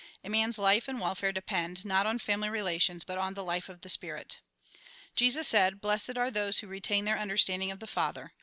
A man's life and welfare depend, not on family relations, but on the life of the Spirit. Jesus said :" Blessed are those who retain their understanding of the Father.